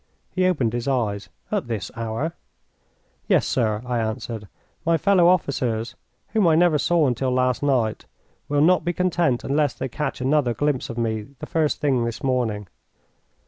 He opened his eyes. "At this hour?" "Yes, sir," I answered. "My fellow officers, whom I never saw until last night, will not be content unless they catch another glimpse of me the first thing this morning."